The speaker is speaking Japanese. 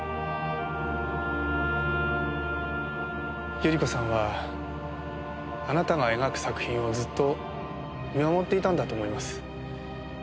百合子さんはあなたが描く作品をずっと見守っていたんだと思います。